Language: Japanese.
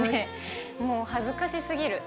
恥ずかしすぎる。